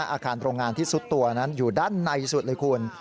อาคารโรงงานที่สุดตัวนั้นอยู่ด้านในสุดเลยคุณ